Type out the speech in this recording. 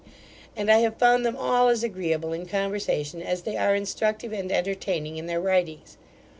and I have found them all as agreeable in conversation as they are instructive and entertaining in their writings.